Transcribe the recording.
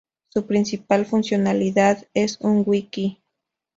Su principal funcionalidad es un wiki.